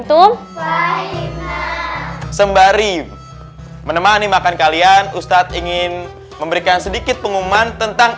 tuh sembari menemani makan kalian ustadz ingin memberikan sedikit pengumuman tentang